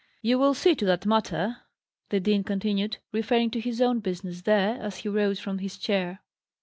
"You will see to that matter," the dean continued, referring to his own business there, as he rose from his chair.